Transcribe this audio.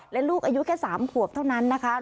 และลูกอายุแค่๓ขวบเท่านั้นนะคะ